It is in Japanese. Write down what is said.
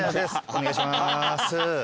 お願いします。